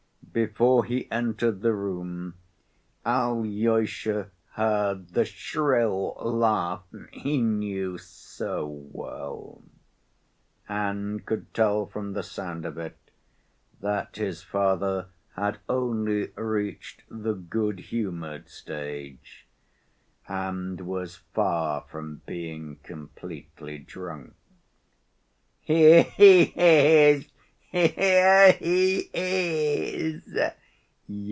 Before he entered the room, Alyosha heard the shrill laugh he knew so well, and could tell from the sound of it that his father had only reached the good‐humored stage, and was far from being completely drunk. "Here he is! Here he is!"